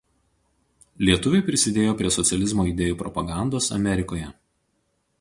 Lietuviai prisidėjo prie socializmo idėjų propagandos Amerikoje.